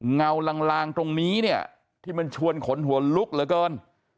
เงาลางตรงนี้เนี่ยที่มันชวนขนหัวลุกเหลือเกิน